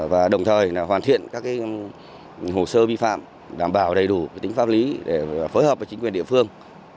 và đồng thời hoàn thiện các hồ sơ vi phạm đảm bảo đầy đủ tính pháp lý để phối hợp với chính quyền địa phương